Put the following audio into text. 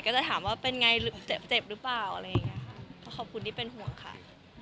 ก็จะถามว่าเป็นไงเจ็บหรือเปล่าเพราะทุกคนเป็นห่วงค่ะ